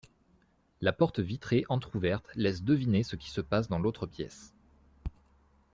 La porte vitrée entrouverte laisse deviner ce qui se passe dans l’autre pièce.